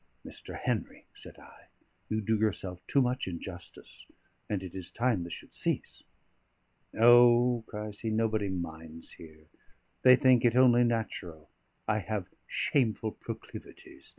"Mr. Henry," said I, "you do yourself too much injustice, and it is time this should cease." "O!" cries he, "nobody minds here. They think it only natural. I have shameful proclivities.